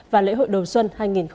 và lễ hội đầu xuân hai nghìn hai mươi